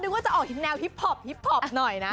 ดึงว่าจะออกแมวฮิปพ็อปหน่อยนะ